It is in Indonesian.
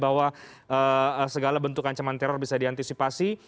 bahwa segala bentuk ancaman teror bisa diantisipasi